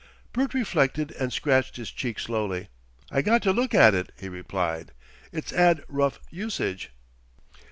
Bert reflected and scratched his cheek slowly. "I got to look at it," he replied.... "It's 'ad rough usage!"